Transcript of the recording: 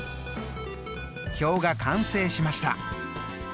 表が完成しました。